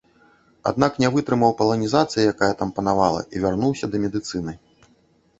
Аднак не вытрымаў паланізацыі, якая там панавала, і вярнуўся да медыцыны.